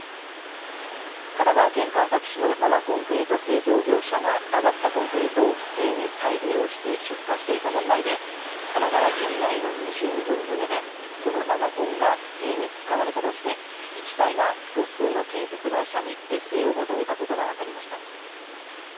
神奈川県川崎市の生コンクリート製造業者が余ったコンクリートを不正に再利用して出荷していた問題で神奈川県内の２４棟でこの生コンが不正に使われたとして自治体が複数の建設会社に是正を求めたことが分かりました。